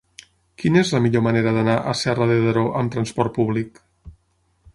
Quina és la millor manera d'anar a Serra de Daró amb trasport públic?